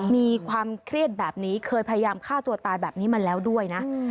มีความเครียดแบบนี้เคยพยายามฆ่าตัวตายแบบนี้มาแล้วด้วยนะ